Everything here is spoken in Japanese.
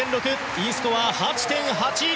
Ｅスコア、８．８。